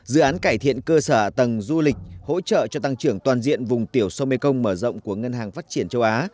dự án cải thiện cơ sở tầng du lịch hỗ trợ cho tăng trưởng toàn diện vùng tiểu sông mekong mở rộng của ngân hàng phát triển châu á